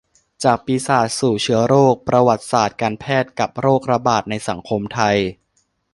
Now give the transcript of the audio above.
จากปีศาจสู่เชื้อโรค : ประวัติศาสตร์การแพทย์กับโรคระบาดในสังคมไทย